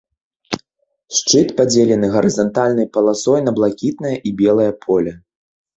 Шчыт падзелены гарызантальнай паласой на блакітнае і белае поле.